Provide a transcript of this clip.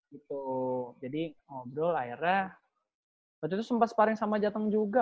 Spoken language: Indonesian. gitu jadi ngobrol akhirnya waktu itu sempat sparing sama jateng juga